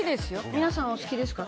皆さんは好きですか？